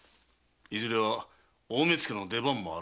いずれは大目付の出番もあろう。